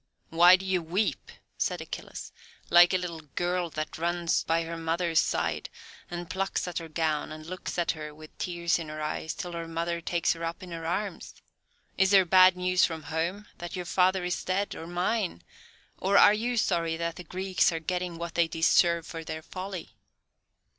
"Why do you weep," said Achilles, "like a little girl that runs by her mother's side, and plucks at her gown and looks at her with tears in her eyes, till her mother takes her up in her arms? Is there bad news from home that your father is dead, or mine; or are you sorry that the Greeks are getting what they deserve for their folly?"